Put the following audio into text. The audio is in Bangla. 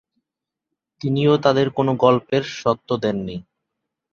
তিনিও তাদের কোন গল্পের স্বত্ব দেন নি।